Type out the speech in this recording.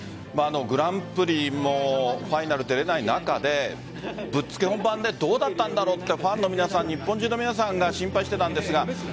グランプリもファイナル出られない中でぶっつけ本番でどうだったんだろうとファンの皆さん日本中の皆さんが心配していました。